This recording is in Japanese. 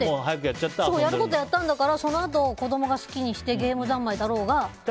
やることやったんだからそのあと子供が好きにしてゲームざんまいだろうが。